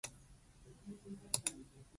He is originally from Papua.